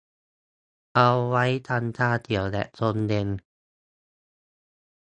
เอาไว้ทำชาเชียวแบบชงเย็น